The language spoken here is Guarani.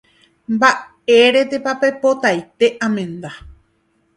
Mba'éretepa peipotaite amenda.